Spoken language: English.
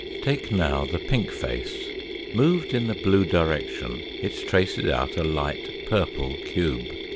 Take now the pink face. Moved in the blue direction it traces out a light purple cube.